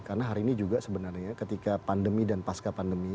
karena hari ini juga sebenarnya ketika pandemi dan pasca pandemi